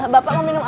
bapak mau minum apa